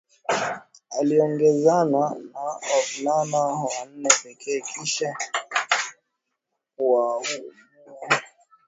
Aliongozana na wavulana wanne pekee kisha kuwauwa Wazungwa wawili mume na mke